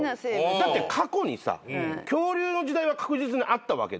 だって過去にさ恐竜の時代は確実にあったわけで。